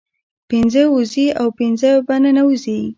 پنځه ووزي او پنځه په ننوزي